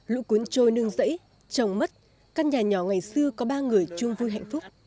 lũ cuốn trôi nương rẫy chồng mất các nhà nhỏ ngày xưa có ba người chung vui hạnh phúc